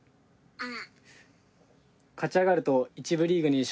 うん。